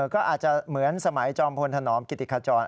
ก็อาจจะเหมือนสมัยจอมพลธนอมกิติขจร